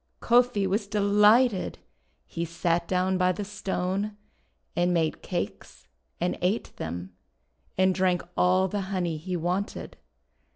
Kofi was delighted. He sat down by the Stone, and made cakes, and ate them, and drank all the honey he wanted.